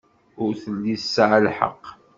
Ur telli tesɛa lḥeqq.